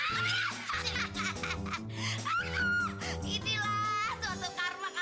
ini lah suatu karma kalo orang yang tidak baik dan tidak benar